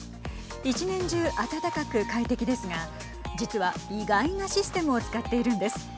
一年中温かく快適ですが実は、意外なシステムを使っているんです。